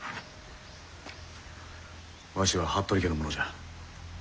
わしは服部家の者じゃ。